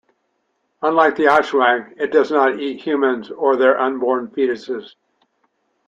Unlike the Aswang, it does not eat humans or their unborn fetuses.